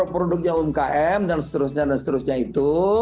produknya umkm dan seterusnya itu